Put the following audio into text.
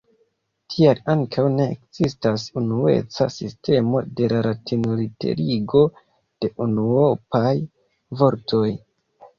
Tial ankaŭ ne ekzistas unueca sistemo de latinliterigo de unuopaj vortoj.